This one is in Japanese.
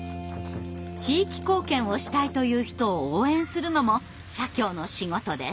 地域貢献をしたいという人を応援するのも社協の仕事です。